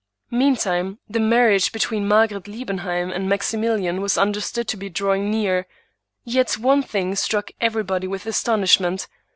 Meantime the marriage between Margaret Liebenheim and Maximilian was understood to be drawing near. Yet one thing struck everybody with astonishment.